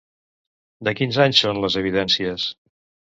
De quins anys són les evidències?